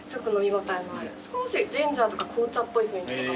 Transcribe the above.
少しジンジャーとか紅茶っぽい雰囲気。